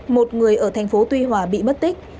một người ở thành phố tuy hòa bị mất tích